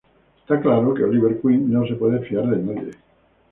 Está claro que Oliver Queen no se puede fiar de nadie.